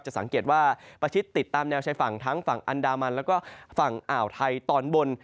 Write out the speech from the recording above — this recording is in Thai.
สังเกตว่าประชิดติดตามแนวชายฝั่งทั้งฝั่งอันดามันแล้วก็ฝั่งอ่าวไทยตอนบน